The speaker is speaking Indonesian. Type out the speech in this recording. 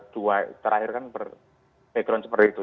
dua terakhir kan berbeda